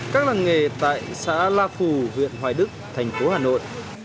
các làng nghề tại xã la phù huyện hoài đức thành phố hà nội